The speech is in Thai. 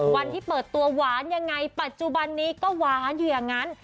วันที่เปิดตัวหวานยังไงปัจจุบันนี้ก็หวานอยู่อย่างนั้น